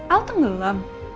al tuh ngelam